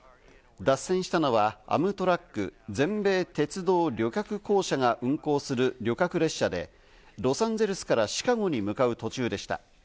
脱線したのはアムトラック＝全米鉄道旅客公社が運行する旅客列車でロサンゼルスからシカゴに向かう途中でした。